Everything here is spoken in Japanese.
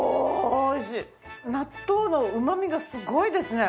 納豆のうまみがすごいですね。